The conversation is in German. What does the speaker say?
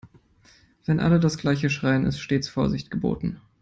Wenn alle das gleiche schreien, ist stets Vorsicht geboten.